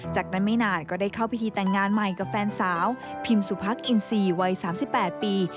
จากนั้นไม่นานก็ได้เข้าพิธีแต่งงานใหม่กับแฟนสาวพิมสุพักอินซีวัย๓๘ปี